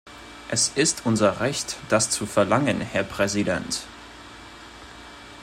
Es ist unser Recht, das zu verlangen, Herr Präsident!